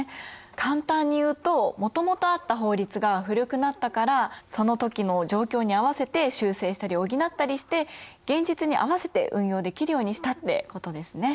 簡単に言うともともとあった法律が古くなったからその時の状況に合わせて修正したり補ったりして現実に合わせて運用できるようにしたってことですね。